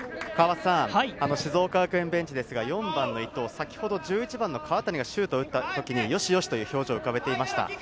静岡学園ベンチですが、４番の伊東、先ほど１１番の川谷がシュートを打った時に、よしよしという表情を浮かべていました。